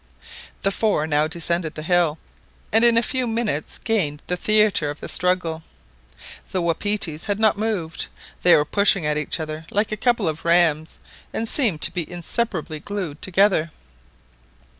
The four now descended the hill, and in a few minutes gained the theatre of the struggle. The wapitis had not moved. They were pushing at each other like a couple of rams, and seemed to be inseparably glued together.